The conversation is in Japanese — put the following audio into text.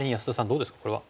どうですかこれは。